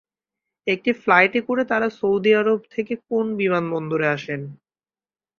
একটি ফ্লাইটে করে তাঁরা সৌদি আরব থেকে কোন বিমানবন্দরে আসেন?